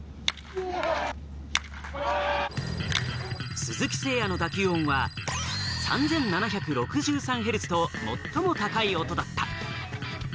鈴木誠也の打球音は、３７６３ヘルツと最も高い音だった。